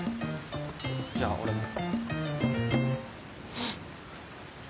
じゃあ俺も。